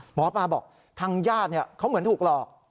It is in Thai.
หมอปลาบอกทางญาติเขาเหมือนถูกหลอก